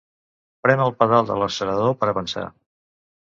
Prem el pedal de l'accelerador per avançar.